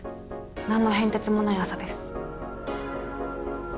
何の変哲もない朝です。